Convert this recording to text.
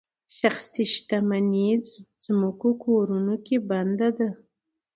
شخصي شتمني ځمکو کورونو کې بنده ده.